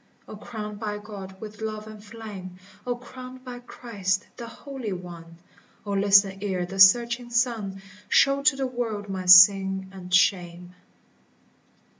O crowned by God with love and flame ! O crowned by Christ the Holy One ! O listen ere the searching sun Show to the world my sin and shame.